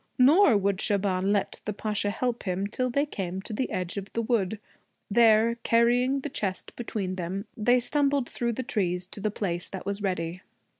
Nor would Shaban let the Pasha help him till they came to the edge of the wood. There, carrying the chest between them, they stumbled through the trees to the place that was ready.